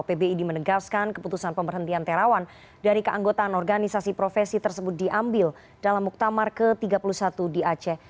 pbid menegaskan keputusan pemberhentian terawan dari keanggotaan organisasi profesi tersebut diambil dalam muktamar ke tiga puluh satu di aceh